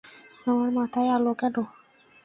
তোমার মাথায় আলো কেন?